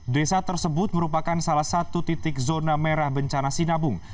desa tersebut merupakan salah satu titik zona merah bencana sinabung